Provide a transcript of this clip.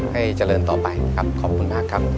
ให้เจริญต่อไปนะครับขอบคุณมากครับ